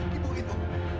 bu ibu itu